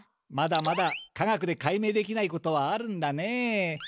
まだまだ科学でかいめいできないことはあるんだねえ。